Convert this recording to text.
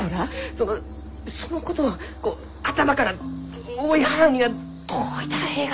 そのそのことを頭から追い払うにはどういたらえいがでしょうか？